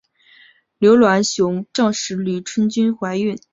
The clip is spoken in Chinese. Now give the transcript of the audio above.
刘銮雄证实吕丽君怀孕。